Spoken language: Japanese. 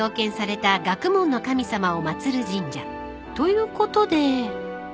［ということで］